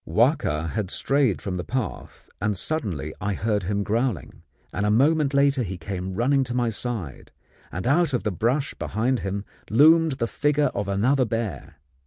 Wahka had strayed from the path, and suddenly I heard him growling; and a moment later he came running to my side, and out of the brush behind him loomed the figure of another bear.